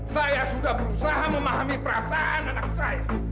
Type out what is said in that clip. saya sudah berusaha memahami perasaan anak saya